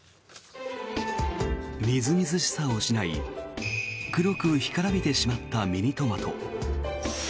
みずみずしさを失い黒く干からびてしまったミニトマト。